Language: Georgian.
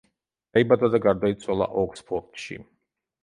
დაიბადა და გარდაიცვალა ოქსფორდში.